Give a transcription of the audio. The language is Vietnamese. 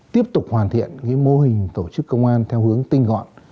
tiếp tục hoàn thiện mô hình tổ chức công an theo hướng tinh gọn